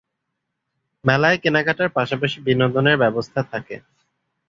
মেলায় কেনাকাটার পাশাপাশি বিনোদনের ব্যবস্থা থাকে।